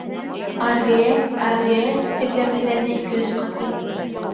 — Арре, арре, — тип ләпелдәне ике-өс ҡатын.